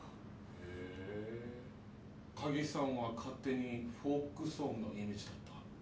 へぇ影さんは勝手にフォークソングのイメージだった。